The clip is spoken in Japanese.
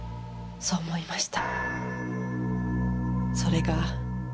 そう思いました。